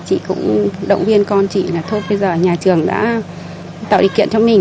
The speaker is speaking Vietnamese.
chị cũng động viên con chị là thôi bây giờ nhà trường đã tạo điều kiện cho mình